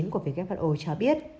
của who cho biết